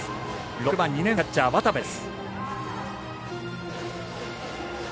６番２年生のキャッチャー渡部です。